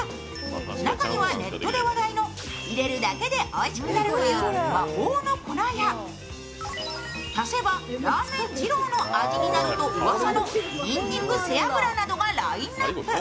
中には、ネットで話題の入れるだけでおいしくなるという魔法の粉や足せばラーメン二郎の味になるというにんにく背脂がラインナップ。